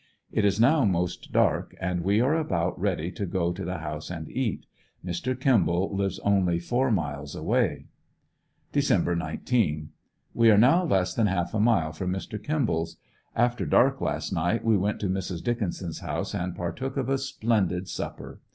It is now most dark and we are about ready to go to the house and eat. Mr. Kimball lives only four miles away. Dec. 19. — We are now less than half a mile from Mr. Kimball's. After dark last night we went to Mrs. Dickinson's house and partook of a splendid supper.